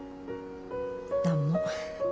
何も。